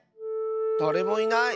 だれもいない。